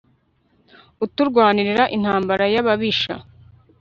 uturwanirira intambara y''ababisha